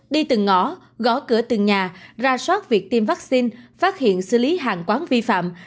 đi từng ngõ gõ cửa từng nhà ra soát việc tiêm vaccine phát hiện xử lý hàng quán vi phạm